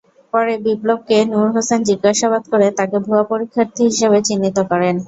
পরে বিপ্লবকে নূর হোসেন জিজ্ঞাসাবাদ করে তাঁকে ভুয়া পরীক্ষার্থী হিসেবে চিহ্নিত করেন।